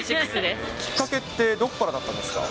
きっかけってどこからだったんですか。